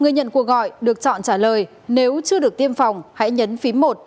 người nhận cuộc gọi được chọn trả lời nếu chưa được tiêm phòng hãy nhấn phí một